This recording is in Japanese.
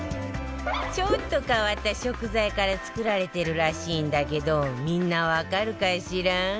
ちょっと変わった食材から作られてるらしいんだけどみんなわかるかしら？